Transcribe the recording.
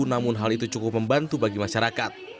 namun hal itu cukup membantu bagi masyarakat